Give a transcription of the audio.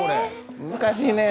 難しいね。